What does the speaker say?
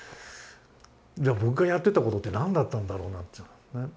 じゃあ僕がやってたことって何だったんだろうなってね。